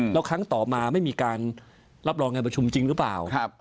แล้วครั้งต่อมาไม่มีการรับรองงานประชุมจริงหรือเปล่า